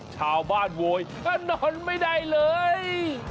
ชาวบ้านโวยก็นอนไม่ได้เลย